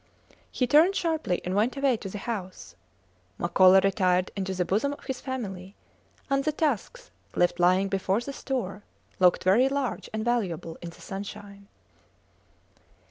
He turned sharply and went away to the house. Makola retired into the bosom of his family; and the tusks, left lying before the store, looked very large and valuable in the sunshine.